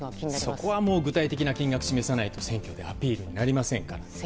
そこは具体的な金額を示さないと選挙でアピールになりませんから。